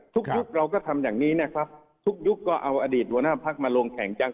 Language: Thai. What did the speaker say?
ยุคเราก็ทำอย่างนี้นะครับทุกยุคก็เอาอดีตหัวหน้าพักมาลงแข่งจัง